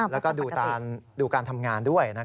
แล้วก็ดูการทำงานด้วย